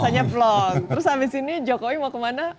nyep long terus habis ini jokowi mau kemana